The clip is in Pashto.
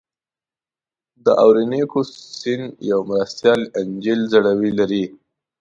د اورینوکو سیند یوه مرستیال انجیل ځړوی لري.